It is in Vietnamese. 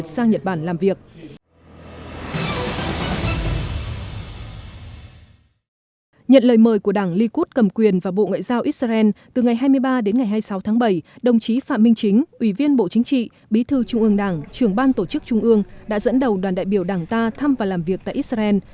nhận lời mời của đảng likud cầm quyền và bộ ngoại giao israel từ ngày hai mươi ba đến ngày hai mươi sáu tháng bảy đồng chí phạm minh chính ủy viên bộ chính trị bí thư trung ương đảng trưởng ban tổ chức trung ương đã dẫn đầu đoàn đại biểu đảng ta thăm và làm việc tại israel